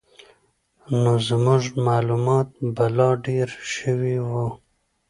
نو زموږ معلومات به لا ډېر شوي وو.